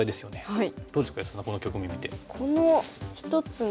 はい。